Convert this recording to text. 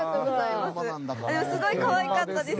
でもすごいかわいかったです。